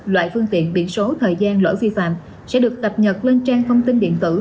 loại phương tiện biển số thời gian lỗi vi phạm sẽ được cập nhật lên trang thông tin điện tử